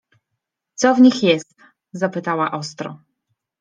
— Co w nich jest? — zapytała ostro.